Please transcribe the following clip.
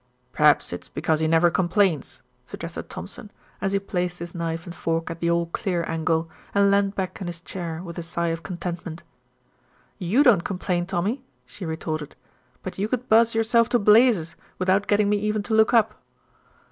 "Perhaps it's because he never complains," suggested Thompson, as he placed his knife and fork at the "all clear" angle, and leaned back in his chair with a sigh of contentment. "You don't complain, Tommy," she retorted; "but you could buzz yourself to blazes without getting me even to look up."